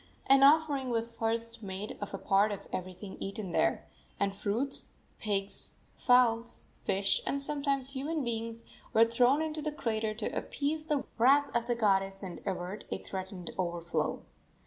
An offering was first made of a part of everything eaten there, and fruits, pigs, fowls, fish, and sometimes human beings, were thrown into the crater to appease the wrath of the goddess and avert a threatened overflow.